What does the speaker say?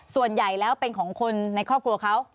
ส่วนใหญ่แล้วเป็นของคนในครอบครัวเขา